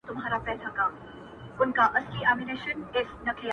د قدرت دپاره هر يو تر لاس تېر وو،